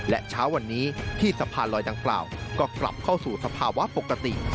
และเช้าวันนี้ที่สะพานลอยดังกล่าวก็กลับเข้าสู่สภาวะปกติ